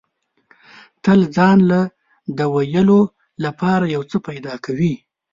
تل ځان له د ویلو لپاره یو څه پیدا کوي.